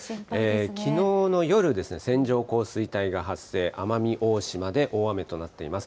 きのうの夜、線状降水帯が発生、奄美大島で大雨となっています。